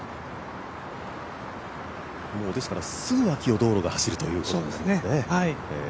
すぐ脇を道路が走るというところですね。